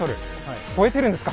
超えてるんですか！